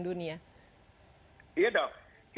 dunia iya dong